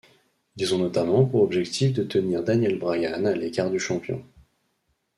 Ils ont notamment pour objectif de tenir Daniel Bryan à l'écart du champion.